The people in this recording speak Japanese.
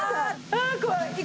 ああ怖い。